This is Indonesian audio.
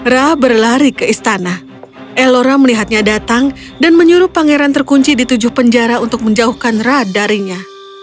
ra berlari ke istana ellora melihatnya datang dan menyuruh pangeran terkunci di tujuh penjara untuk menjauhkan ra darinya